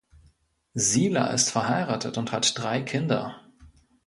Sieler ist verheiratet und hat drei Kinder.